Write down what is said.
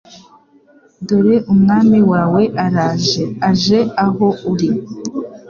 "Dore Umwami wawe araje, aje aho uri;